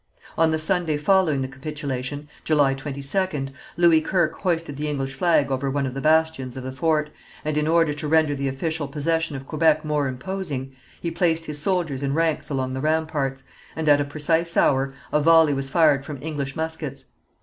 On the Sunday following the capitulation, July 22nd, Louis Kirke hoisted the English flag over one of the bastions of the fort, and in order to render the official possession of Quebec more imposing, he placed his soldiers in ranks along the ramparts, and at a precise hour a volley was fired from English muskets.